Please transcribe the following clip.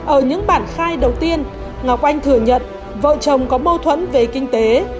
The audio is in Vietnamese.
ở những bản khai đầu tiên ngọc oanh thừa nhận vợ chồng có mâu thuẫn về kinh tế